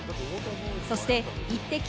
そしてイッテＱ！